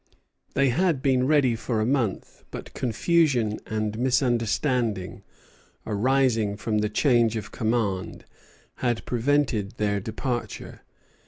They had been ready for a month; but confusion and misunderstanding arising from the change of command had prevented their departure.